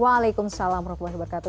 waalaikumsalam warahmatullahi wabarakatuh